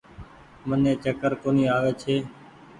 مني چڪر ڪونيٚ آوي ڇي۔